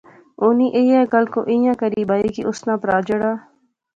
انی ایہہ گل کوئی ایہھاں کری بائی کہ اس ناں پرھا جیہڑا